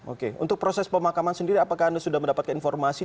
oke untuk proses pemakaman sendiri apakah anda sudah mendapatkan informasi